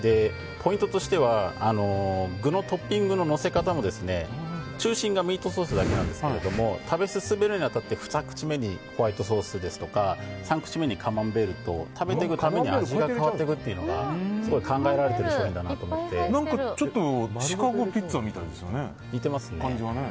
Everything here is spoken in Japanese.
ポイントとしては具のトッピングののせ方も中心がミートソースだけなんですけど食べ進めるに当たって２口目にホワイトソース３口目にカマンベールと食べていくごとに味が変わっていくのがすごい考えられているちょっとシカゴピッツァみたいですね。